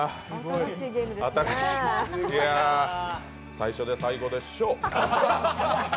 最初で最後でしょう。